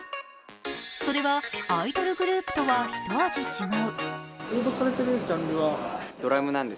それはアイドルグループとはひと味違う。